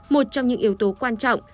một trong những yếu tố quan trọng